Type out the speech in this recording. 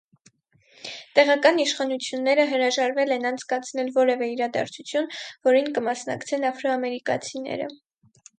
Տեղական իշխանությունները հրաժարվել են անցկացնել որևէ իրադարձություն, որին կմասնակցեն աֆրոամերիկացիները։